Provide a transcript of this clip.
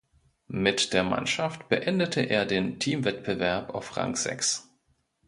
Mit der Mannschaft beendete er den Teamwettbewerb auf Rang sechs.